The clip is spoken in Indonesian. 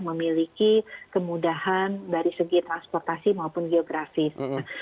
memiliki kemudahan dari segi transportasi maupun geografis